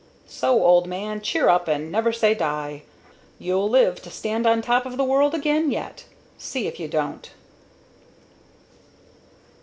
So, old man, cheer up and never say die! You'll live to stand on top of the world again, yet see if you don't!"